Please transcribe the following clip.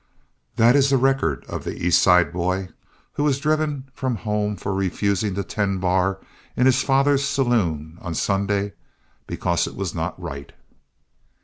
That is the record of the East Side boy who was driven from home for refusing to tend bar in his father's saloon on Sunday because it was not right.